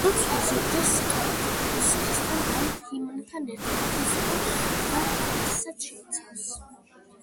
ლოცვა ზოგჯერ სიტყვებთან, მუსიკასთან ან ჰიმნთან ერთად ფიზიკურ პრაქტიკასაც შეიცავს.